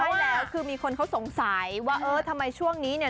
ใช่แล้วคือมีคนเขาสงสัยว่าเออทำไมช่วงนี้เนี่ย